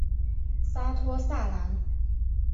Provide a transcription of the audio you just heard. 沙托萨兰。